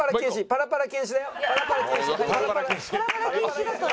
パラパラ禁止だよ」。